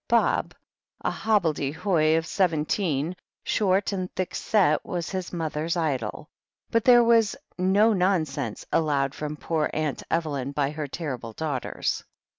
Bob, a hobble de hoy of seventeen, short and thick set, was his mother's idol. But there was "no non sense" allowed from poor Aumt Evelyn by her terrible daughters.